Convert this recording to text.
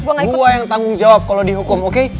gue yang tanggung jawab kalo dihukum oke